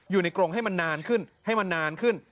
กรงให้มันนานขึ้นให้มันนานขึ้น